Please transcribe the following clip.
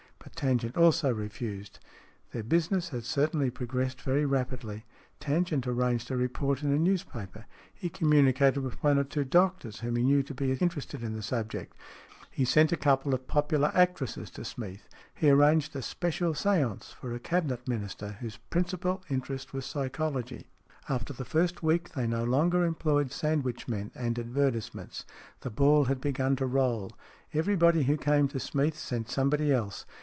But Tangent also refused. Their business had certainly progressed very rapidly. Tangent arranged a report in a news paper. He communicated with one or two doctors whom he knew to be interested in the subject. He sent a couple of popular actresses to Smeath. He arranged a special seance for a Cabinet Minister, whose principal interest was psychology. SMEATH 23 After the first week they no longer employed sandwichmen and advertisements. The ball had begun to roll. Everybody who came to Smeath sent somebody else.